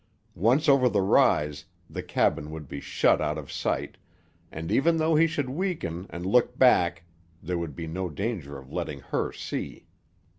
Once over the rise the cabin would be shut out of sight, and even though he should weaken and look back there would be no danger of letting her see.